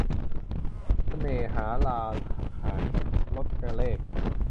เสน่หาฤๅหักหาย - รจเรข